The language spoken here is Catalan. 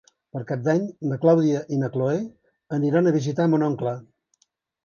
Per Cap d'Any na Clàudia i na Cloè aniran a visitar mon oncle.